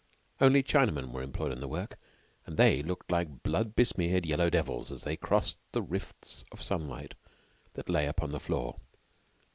Only Chinamen were employed on the work, and they looked like blood besmeared yellow devils as they crossed the rifts of sunlight that lay upon the floor.